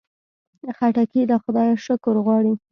خټکی له خدایه شکر غواړي.